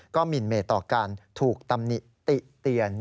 หมินเมตต่อการถูกตำหนิติเตียน